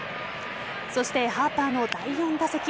そして、ハーパーの第４打席。